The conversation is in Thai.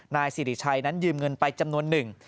นายสิริชัยนั้นยืมเงินไปจำนวนหนึ่ง